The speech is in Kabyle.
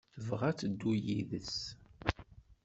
Tebɣa ad dduɣ yid-s.